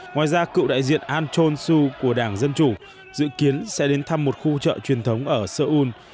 ngoài ra cựu đại diện anton su của đảng dân chủ dự kiến sẽ đến thăm một khu chợ truyền thống ở seoul